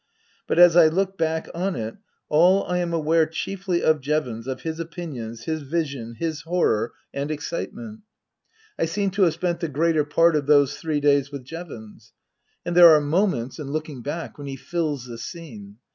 But as I look back on it all I am aware chiefly of Jevons, of his opinions, his vision, his horror and 258 Tasker Jevons excitement. I seem to have spent the greater part of those three days with Jevons, and there are moments, in looking back, when he fills the scene.